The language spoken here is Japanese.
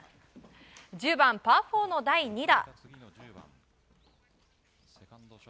１０番、パー４の第２打。